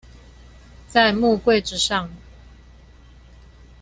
在木櫃子上